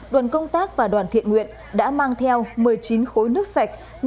đoàn công tác và đoàn thiện nguyện đã mang theo một mươi chín khối nước sạch